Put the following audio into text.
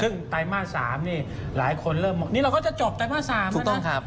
ซึ่งไตรมาส๓นี่หลายคนเริ่มมองนี่เราก็จะจบไตรมาส๓นะฮะ